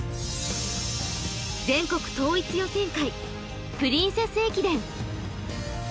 全国統一予選会・プリンセス駅伝。